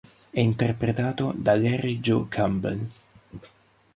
È interpretato da Larry Joe Campbell.